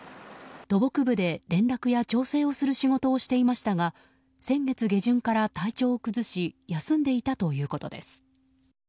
土木部で、連絡や調整をする仕事をしていましたが先月下旬から体調を崩し休んでいたということです。